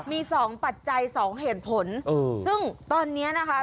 มีสองปัจจัยสองเหตุผลซึ่งตอนนี้นะคะ